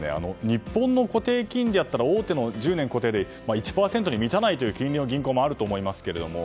日本の固定金利なら大手の１０年固定で１％に満たないという金利の銀行もあると思いますけれども。